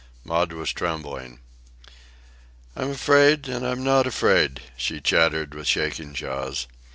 Maud was trembling. "I'm afraid, and I'm not afraid," she chattered with shaking jaws.